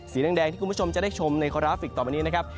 สีแดงที่คุณผู้ชมจะได้ชมในกราฟิกต่อไปนี้นะครับ